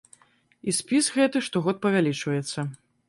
І спіс гэты штогод павялічваецца.